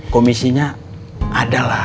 komisinya ada lah